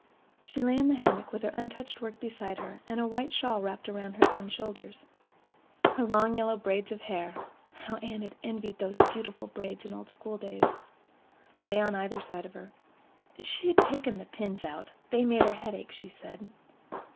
She lay in the hammock, with her untouched work beside her, and a white shawl wrapped about her thin shoulders. Her long yellow braids of hair—how Anne had envied those beautiful braids in old schooldays!—lay on either side of her. She had taken the pins out—they made her head ache, she said.